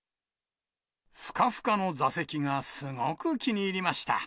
ふかふかの座席がすごく気に入りました。